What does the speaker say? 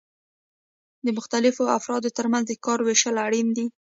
د مختلفو افرادو ترمنځ د کار ویشل اړین دي.